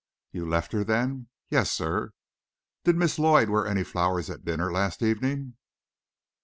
"You left her then?" "Yes, sir." "Did Miss Lloyd wear any flowers at dinner last evening?"